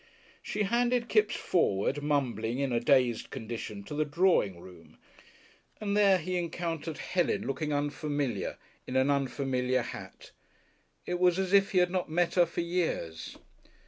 She handed Kipps forward, mumbling in a dazed condition, to the drawing room, and there he encountered Helen looking unfamiliar in an unfamiliar hat. It was as if he had not met her for years.